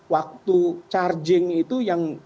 waktu charging itu yang